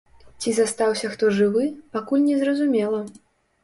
Ці застаўся хто жывы, пакуль не зразумела.